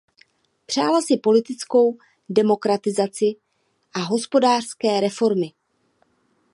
Přála si politickou demokratizaci a hospodářské reformy.